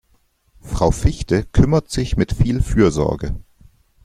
Frau Fichte kümmert sich mit viel Fürsorge.